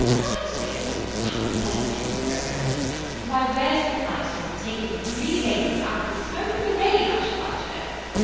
"Kindness!–bless you, Miss Grenville!–why, where's the kindness in taking you three ladies out of the smoke and rain, I should like to know?